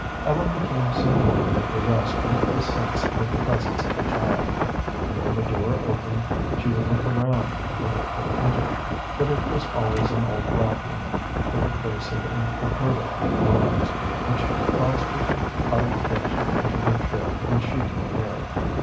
Ellen became singularly possessed with this sense of the presence of a child, and when the door opened she would look around for her to enter, but it was always an old black woman with a face of imperturbable bronze, which caused her to huddle closer into her chair when she drew near.